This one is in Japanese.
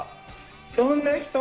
どんな人？